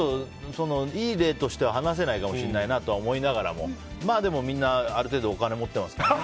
いい例としては話せないかもしれないなとは思いながらもまあでも、みんなある程度お金持ってますからね。